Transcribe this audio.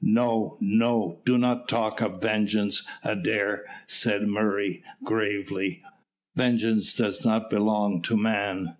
"No, no, do not talk of vengeance, Adair," said Murray gravely; "vengeance does not belong to man.